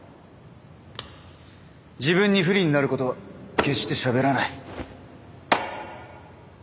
自分に不利になることは決してしゃべらない。